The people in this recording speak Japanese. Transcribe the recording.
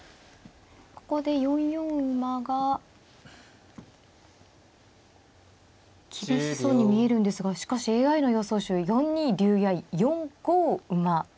ここで４四馬が厳しそうに見えるんですがしかしＡＩの予想手４二竜や４五馬。